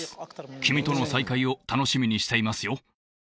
君との再会を楽しみにしていますよ